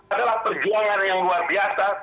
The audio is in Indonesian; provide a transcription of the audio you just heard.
adalah perjuangan yang luar biasa